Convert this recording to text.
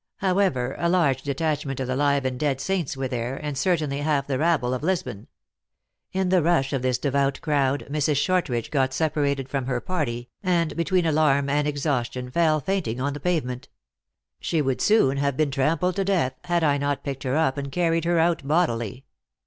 However, a large detach ment of the live and dead saints were there, and, cer tainly, .half the rabble of Lisbon. In the rush of this devout crowd, Mrs. Shortridge got separated from her party, and, between alarm and exhaustion, fell, faint ing, on the pavement. She would soon have been trampled to death, had I not picked her up and car ried her out bodily.